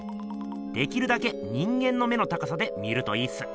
できるだけ人間の目の高さで見るといいっす。